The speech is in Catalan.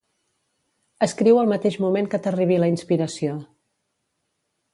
Escriu al mateix moment que t'arribi la inspiració